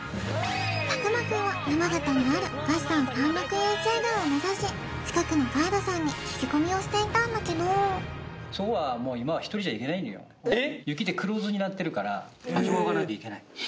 佐久間くんは山形にある月山山麓湧水群を目指し近くのガイドさんに聞き込みをしていたんだけどえっ？